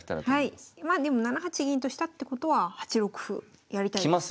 まあでも７八銀としたってことは８六歩やりたいです。